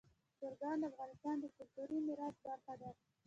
چرګان د افغانستان د کلتوري میراث برخه ده.